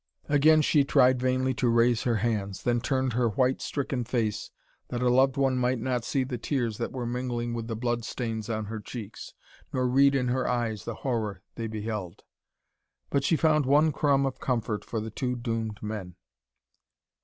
Again she tried vainly to raise her hands, then turned her white, stricken face that a loved one might not see the tears that were mingling with the blood stains on her cheeks, nor read in her eyes the horror they beheld. But she found one crumb of comfort for the two doomed men.